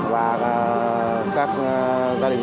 và các gia đình